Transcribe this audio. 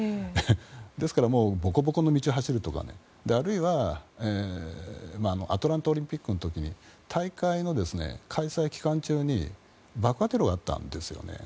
ですからぼこぼこの道を走るとかあるいはアトランタオリンピックの時に大会の開催期間中爆破テロがあったんです。